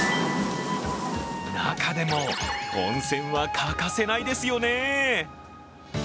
中でも温泉は欠かせないですよね。